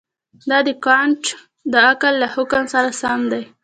دا د کانټ د عقل له حکم سره سم دی.